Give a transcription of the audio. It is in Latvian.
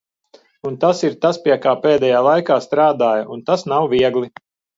Un tas ir tas pie kā pēdējā laikā strādāju un tas nav viegli.